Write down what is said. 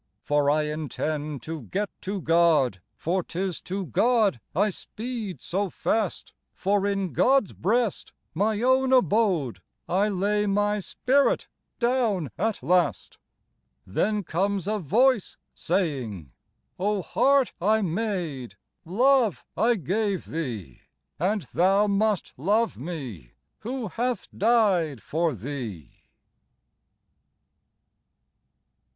. For I intend to get to God, For 'tis to God I speed so fast, For in God's breast, my own abode, I lay my spirit down at last." bg IRobcrt Browning, 11 ' Then comes a Voice, saying, O heart I made ... Love I gave thee .. And thou must love Me who hath died for thee